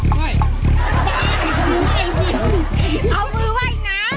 ว่าย